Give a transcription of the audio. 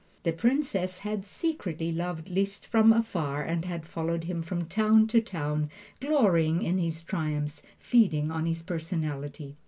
The Princess had secretly loved Liszt from afar, and had followed him from town to town, glorying in his triumphs, feeding on his personality.